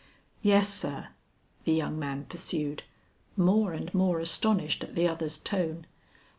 "Yes, sir," the young man pursued, more and more astonished at the other's tone.